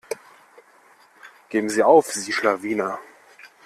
Geben sie auf, sie Schlawiner.